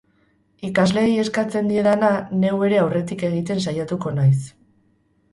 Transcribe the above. Ikasleei eskatzen diedana, neu ere aurretik egiten saiatuko naiz.